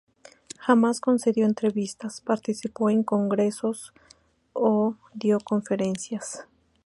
Jamás concedió entrevistas, participó en congresos o dio conferencias.